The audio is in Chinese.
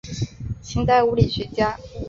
清代理学家。